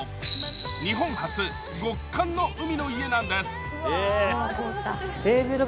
日本初極寒の海の家なんです。